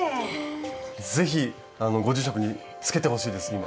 ぜひご住職につけてほしいです今。